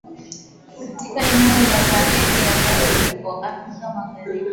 katika eneo la Sahel ya kati huko Afrika magharibi